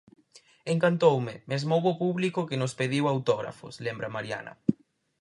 Encantoume, mesmo houbo público que nos pediu autógrafos, lembra Mariana.